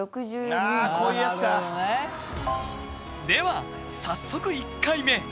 では早速１回目。